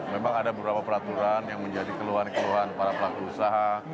memang ada beberapa peraturan yang menjadi keluhan keluhan para pelaku usaha